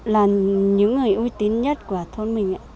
là những người uy tín nhất của thôn mình